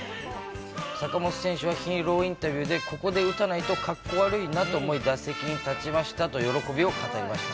坂本選手はヒーローインタビューで、ここで打たないとかっこ悪いなと思い打席に立ちましたと、喜びを語りました。